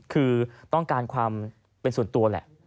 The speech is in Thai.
คือต้องการความเป็นส่วนตัวแหละ